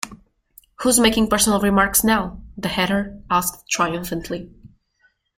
‘Who’s making personal remarks now?’ the Hatter asked triumphantly.